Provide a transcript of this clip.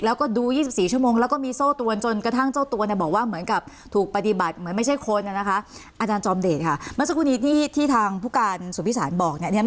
แล้วก็ดู๒๔ชั่วโมงแล้วก็มีโซ่ตัวจนกระทั่งเจ้าตัวบอกว่าเหมือนกับ